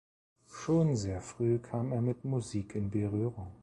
Schon sehr früh kam er mit Musik in Berührung.